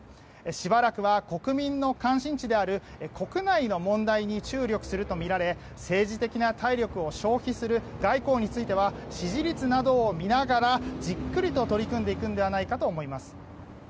しばらくは国民の関心事である国内の問題に注力するとみられ政治的な体力を消費する外交については支持率などを見ながらじっくりと取り組んでいくのではないかとみられます。